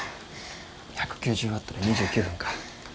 １９０ワットで２９分か。